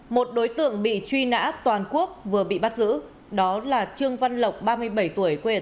một đối tượng bị truy nã toàn quốc vừa bị bắt giữ đó là trương văn lộc ba mươi bảy tuổi quê